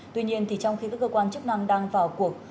tuy nhiên trong khi các cơ quan chức năng đang vào cuộc